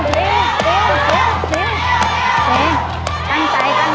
เรียน